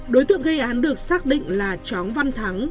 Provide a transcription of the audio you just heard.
đối tượng gây án được xác định là chóng văn thắng